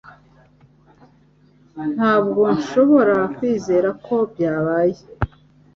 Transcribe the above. Ntabwo nshobora kwizera ko byabaye